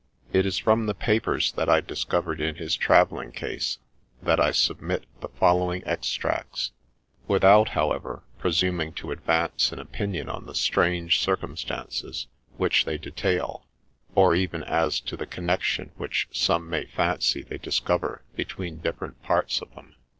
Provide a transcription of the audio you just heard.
It is from the papers that I discovered in his travelling case that I submit the following extracts, without, however, pre suming to advance an opinion on the strange circumstances which they detail, or even as to the connection which some may fancy they discover between different parts of them.